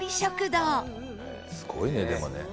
すごいねでもね。